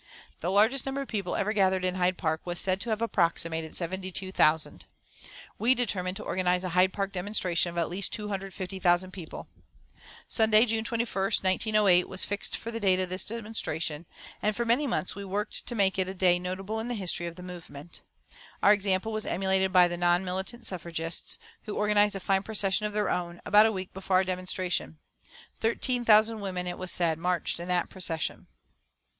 The largest number of people ever gathered in Hyde Park was said to have approximated 72,000. We determined to organise a Hyde Park demonstration of at least 250,000 people. Sunday, June 21, 1908, was fixed for the date of this demonstration, and for many months we worked to make it a day notable in the history of the movement. Our example was emulated by the non militant suffragists, who organised a fine procession of their own, about a week before our demonstration. Thirteen thousand women, it was said, marched in that procession.